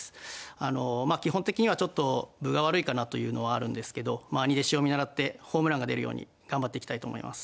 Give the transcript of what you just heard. あの基本的にはちょっと分が悪いかなというのはあるんですけど兄弟子を見習ってホームランが出るように頑張っていきたいと思います。